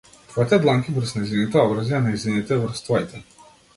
Твоите дланки врз нејзините образи, а нејзините врз твоите.